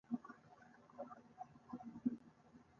ازادي راډیو د د ځنګلونو پرېکول په اړه د نقدي نظرونو کوربه وه.